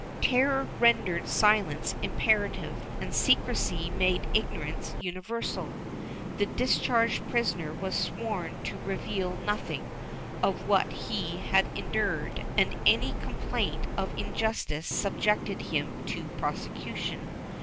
Terror rendered silence imperative, and secrecy made ignorance universal. The discharged prisoner was sworn to reveal nothing of what he had endured and any complaint of injustice subjected him to prosecution.